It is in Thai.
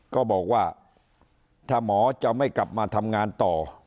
ก็บอกว่าถ้าหมอจะไม่กลับมาทำงานต่อ